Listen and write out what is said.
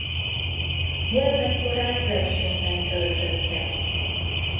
Gyermekkorát Veszprémben töltötte.